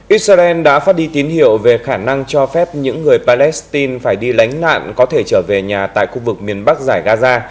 israel đã phát đi tín hiệu về khả năng cho phép những người palestine phải đi lánh nạn có thể trở về nhà tại khu vực miền bắc giải gaza